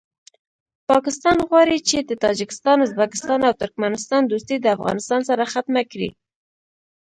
پاکستان غواړي چې د تاجکستان ازبکستان او ترکمستان دوستي د افغانستان سره ختمه کړي